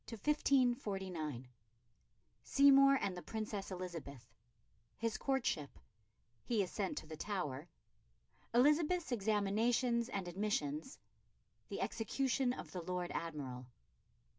CHAPTER IX 1548 1549 Seymour and the Princess Elizabeth His courtship He is sent to the Tower Elizabeth's examinations and admissions The execution of the Lord Admiral.